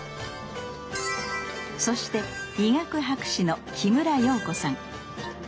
そして医学博士の木村容子さん。